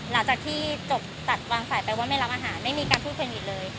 หลังจากที่จบตัดวางสายไปว่าไม่รับอาหารไม่มีการพูดเครดิตเลย